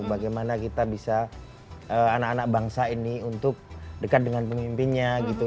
bagaimana kita bisa anak anak bangsa ini untuk dekat dengan pemimpinnya gitu